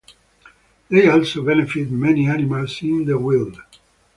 They also benefit many animals in the wild.